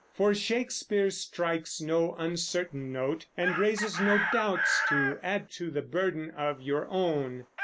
For Shakespeare strikes no uncertain note, and raises no doubts to add to the burden of your own.